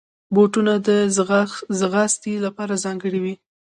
بوټونه د ځغاستې لپاره ځانګړي وي.